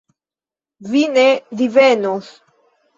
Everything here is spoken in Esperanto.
Vi ne divenos.